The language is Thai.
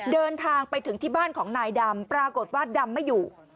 เดินทางไปถึงที่บ้านของนายดำปรากฏว่าดำไม่อยู่